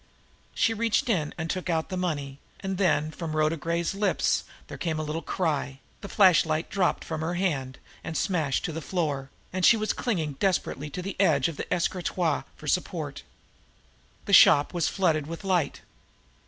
She reached in and took out the money and then from Rhoda Gray's lips there came a little cry, the flashlight dropped from her hand and smashed to the floor, and she was clinging desperately to the edge of the escritoire for support. The shop was flooded with light.